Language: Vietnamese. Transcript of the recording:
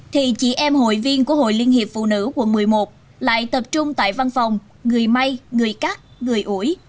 thì chị em hội viên của hội liên hiệp phụ nữ quận một mươi một lại tập trung tại văn phòng người may người cắt người ủi